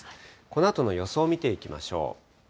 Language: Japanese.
このあとの予想見ていきましょう。